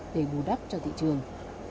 để bù đắp cho thị trường